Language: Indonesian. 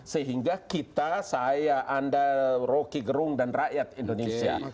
sehingga kita saya anda roky gerung dan rakyat indonesia